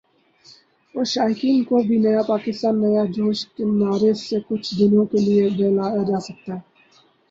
اور شائقین کو بھی "نیا کپتان ، نیا جوش" کے نعرے سے کچھ دنوں کے لیے بہلایا جاسکتا ہے